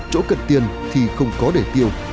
chỗ cần tiền thì không có để tiêu